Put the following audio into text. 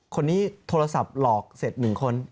คนนี้โทรศัพท์หลอกเสร็จ๑คน